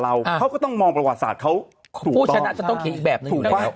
เราอ่าเขาก็ต้องมองประวัติศาสตร์เขาพูดฉันอาจจะต้องเขียนอีกแบบนึงอยู่แล้ว